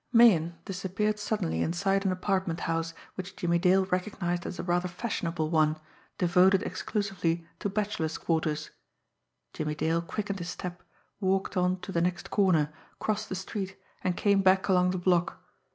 Meighan disappeared suddenly inside an apartment house, which Jimmie Dale recognised as a rather fashionable one, devoted exclusively to bachelors' quarters, Jimmie Dale quickened his step, walked on to the next corner, crossed the street, and came back along the block.